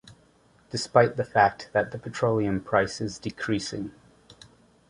Despite the fact that the petroleum price is decreasing.